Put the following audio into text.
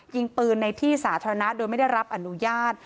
ยิงปืนในที่สาธารณะโดยไม่ได้รับอนุญาต